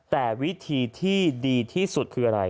แต่วิธีที่ดีที่สุดคืออะไร